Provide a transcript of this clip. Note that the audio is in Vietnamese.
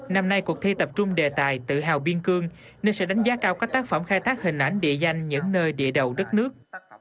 năm nay cuộc thi tập trung đề tài tự hào biên cương nên sẽ đánh giá cao các tác phẩm khai thác hình ảnh địa danh những nơi địa đầu đất nước